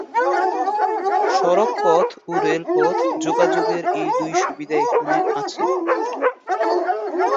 সড়ক পথ ও রেলপথ যোগাযোগের এই দুই সুবিধা এখানে আছে।